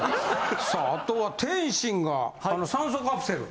さああとは天心が酸素カプセル。